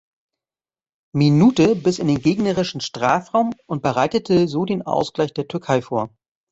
Minute bis in den gegnerischen Strafraum und bereitete so den Ausgleich der Türkei vor.